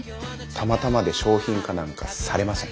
たまたまで商品化なんかされません。